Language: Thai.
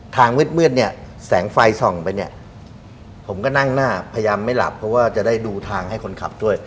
มืดเนี่ยแสงไฟส่องไปเนี่ยผมก็นั่งหน้าพยายามไม่หลับเพราะว่าจะได้ดูทางให้คนขับด้วย